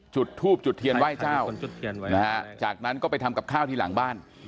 จุดทูบจุดเทียนไหว้เจ้านะฮะจากนั้นก็ไปทำกับข้าวที่หลังบ้าน